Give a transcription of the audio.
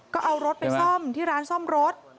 ก็เอารถไปซ่อมที่ร้านซ่อมรถ